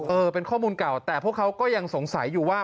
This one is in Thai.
เออเป็นข้อมูลเก่าแต่พวกเขาก็ยังสงสัยอยู่ว่า